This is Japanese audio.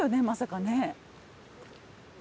まさかね。